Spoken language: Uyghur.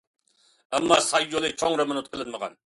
ئەمما ساي يولى چوڭ رېمونت قىلىنمىغان.